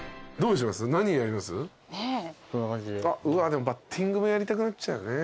うわでもバッティングもやりたくなっちゃうね。